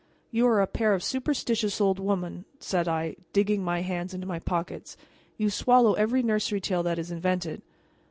"You are a pair of superstitious old women," said I, digging my hands into my pockets; "you swallow every nursery tale that is invented."